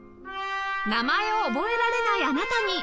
名前を覚えられないあなたに！